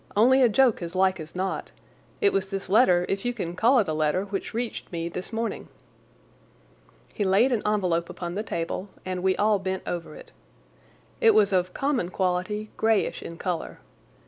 Only a joke, as like as not. It was this letter, if you can call it a letter, which reached me this morning." He laid an envelope upon the table, and we all bent over it. It was of common quality, greyish in colour.